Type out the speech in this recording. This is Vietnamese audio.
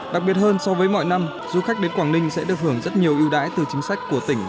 đặc biệt hơn so với mọi năm du khách đến quảng ninh sẽ được hưởng rất nhiều ưu đãi từ chính sách của tỉnh